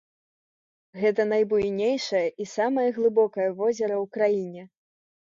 Гэта найбуйнейшае і самае глыбокае возера ў краіне.